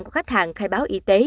của khách hàng khai báo y tế